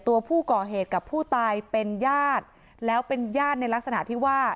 ตัวผู้ก่อเหตุกับผู้ตายเป็นญาติแล้วเป็นญาติในลักษณะที่ว่า